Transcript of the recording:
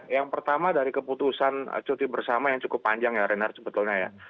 yang pertama dari keputusan cuti bersama yang cukup panjang ya renard sebetulnya ya